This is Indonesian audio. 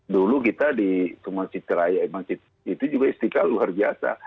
dulu kita di tumasitraya itu juga istikah luar biasa